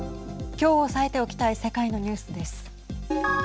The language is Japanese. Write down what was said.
きょう押さえておきたい世界のニュースです。